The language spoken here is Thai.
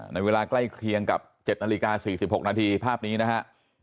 ในเวลาใกล้เคียงกับ๗นาฬิกา๔๖นาทีภาพนี้นะฮะ